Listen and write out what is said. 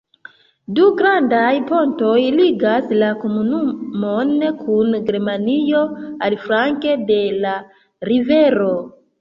Du grandaj pontoj ligas la komunumon kun Germanio aliflanke de la rivero.